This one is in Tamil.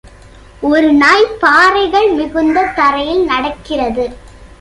ஒரு நாய் பாறைகள் மிகுந்த தரையில் நடக்கிறது.